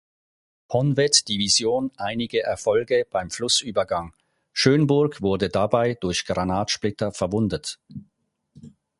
Honved-Division einige Erfolge beim Flussübergang, Schönburg wurde dabei durch Granatsplitter verwundet.